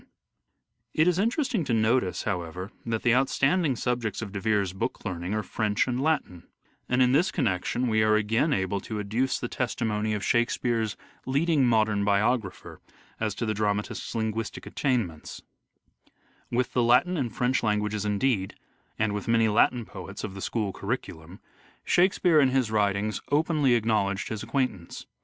Latin and it is interesting to notice, however, that the out standing subjects of De Vere's book learning are French and Latin ; and in this connection we are again able to adduce the testimony of Shakespeare's EARLY LIFE OF EDWARD DE VERE 343 leading modern biographer as to the dramatist's linguistic attainments :" With the Latin and French languages indeed, and with many Latin poets of the school curriculum, Shakespeare in his writings openly acknowledged his acquaintance.